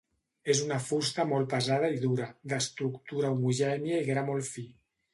És una fusta molt pesada i dura, d'estructura homogènia i gra molt fi.